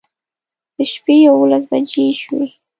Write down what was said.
د شپې يوولس بجې شوې